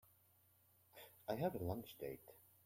I have a lunch date.